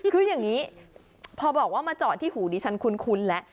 คืออย่างนี้พอบอกว่ามาเจาะที่หูดิฉันคุ้นแล้ว